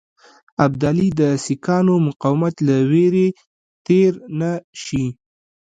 ابدالي د سیکهانو مقاومت له وېرې تېر نه شي.